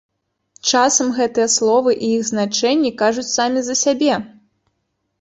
Часам гэтыя словы і іх значэнні кажуць самі за сябе!